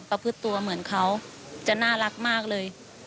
ประพฤติตัวเหมือนเขาจะน่ารักมากเลย